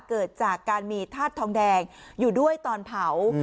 เกิดจากการมีธาตุทองแดงอยู่ด้วยตอนเผา